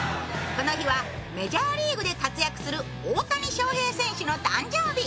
この日はメジャーリーグで活躍する大谷翔平選手の誕生日。